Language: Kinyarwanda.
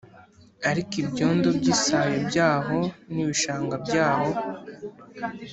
ariko ibyondo by isayo byaho n ibishanga byaho